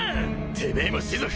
てめえも士族か！